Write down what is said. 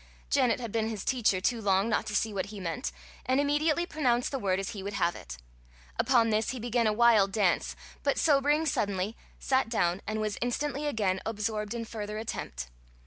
Janet had been his teacher too long not to see what he meant, and immediately pronounced the word as he would have it. Upon this he began a wild dance, but sobering suddenly, sat down, and was instantly again absorbed in further attempt.